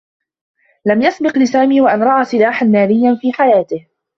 لم يسبق لسامي و أن رأى سلاحا ناريّا في حياته.